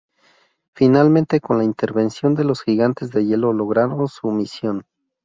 Finalmente, con la intervención de los gigantes de hielo, lograron su misión.